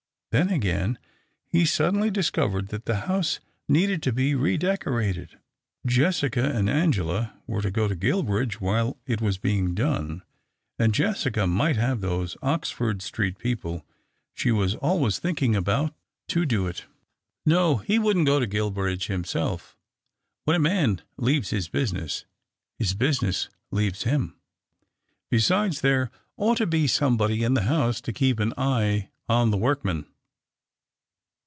Then, again, he suddenly discovered that the house needed to be re decorated. Jessica and Angela were to go to Guilbridge while it was being done, and Jessica might have those Oxford Street people she was always thinking 186 THE OCTAVE OF CLAUDIUS. about to do it. No, lie wouldn't go to Guil bridge himself. When a man leaves his business, his business leaves him. Besides, there ought to be somebody in the house to keep an eye on the workmen.